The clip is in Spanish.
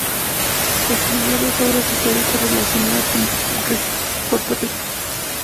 Escribió dos obras históricas relacionadas con Puerto Rico.